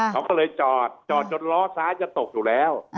เขาก็เลยจอดจอดจนล้อซ้ายจะตกอยู่แล้ว